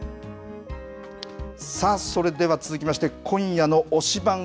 さあそれでは続きまして今夜の推しバン！